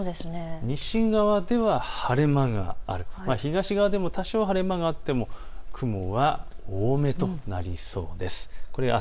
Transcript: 西側では晴れ間がある、東側でも多少は晴れ間があっても雲は多めとなりそうです。